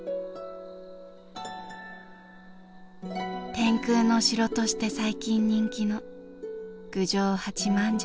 「天空の城」として最近人気の郡上八幡城。